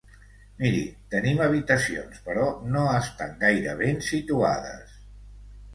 Miri, tenim habitacions, però no estan gaire ben situades.